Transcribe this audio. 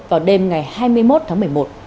vào đêm ngày hai mươi một tháng một mươi một